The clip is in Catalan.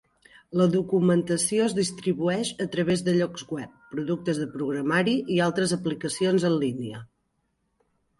La documentació es distribueix a través de llocs web, productes de programari i altres aplicacions en línia.